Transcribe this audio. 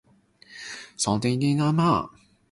一直都係講緊無證人士會被踢走